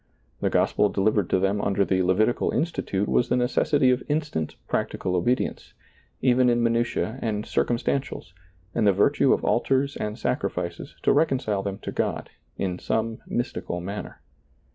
The gospel delivered to them under the Levitical institute was the necessity of instant practical obedience, even in minutiae and circum stantials, and the virtue of altars and sacrifices to reconcile them to God — in some mystical manner.